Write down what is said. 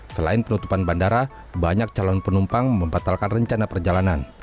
selain penutupan bandara banyak calon penumpang membatalkan rencana perjalanan